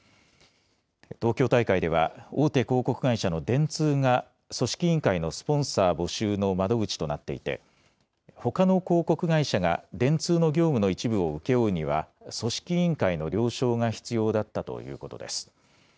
東京大会では、大手広告会社の電通が組織委員会のスポンサー募集の窓口となっていて、ほかの広告会社が電通の業務の一部を請け負うには、組織委員会の了承が必要だったということです。